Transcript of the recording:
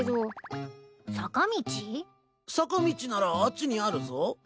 坂道ならあっちにあるぞ。